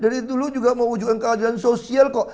dari dulu juga mewujudkan keadilan sosial kok